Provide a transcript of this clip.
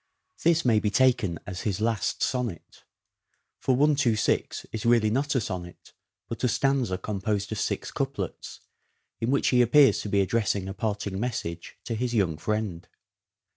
This may be taken as his last sonnet ; for 126 is really not a sonnet but a stanza composed of six couplets, in which he appears to be addressing a parting message to his young friend.